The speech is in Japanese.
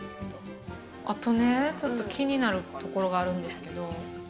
あと気になるところがあるんですけど。